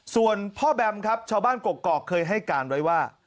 ส่วนพ่อแบมครับชาวบ้านกกอกเคยให้การไว้ว่า